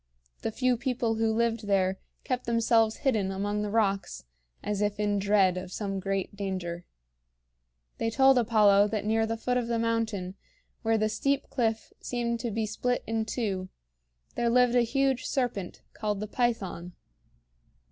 The few people who lived there kept themselves hidden among the rocks as if in dread of some great danger. They told Apollo that near the foot of the mountain where the steep cliff seemed to be split in two there lived a huge serpent called the Python.